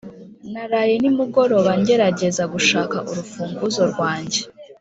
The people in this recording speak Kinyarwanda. naraye nimugoroba ngerageza gushaka urufunguzo rwanjye.